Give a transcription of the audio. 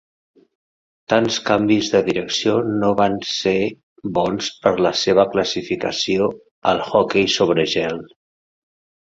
Tants canvis de direcció no van ser bons per al seva classificació al hoquei sobre gel.